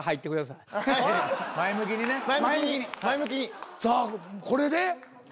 さあこれで。